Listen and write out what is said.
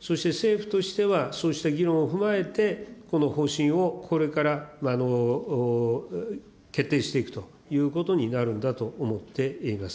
そして政府としては、そうした議論を踏まえて、この方針を、これから決定していくということになるんだと思っています。